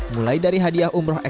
mulai dari hadiah umroh